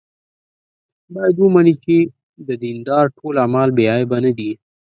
باید ومني چې د دیندارو ټول اعمال بې عیبه نه دي.